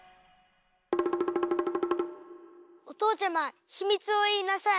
おとうちゃまひみつをいいなさい。